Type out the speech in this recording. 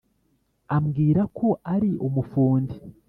ambwira ko ari umufundi.